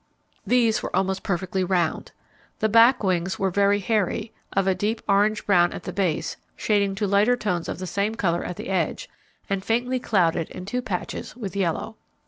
These were almost perfectly round. The back wings were very hairy, of a deep orange brown at the base, shading to lighter tones of the same colour at the edge, and faintly clouded in two patches with yellow.